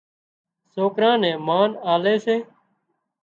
سوڪران نين مانَ آلي سي